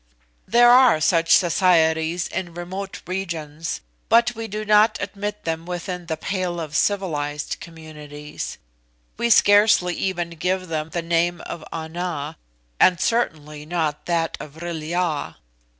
"There are such societies in remote regions, but we do not admit them within the pale of civilised communities; we scarcely even give them the name of Ana, and certainly not that of Vril ya.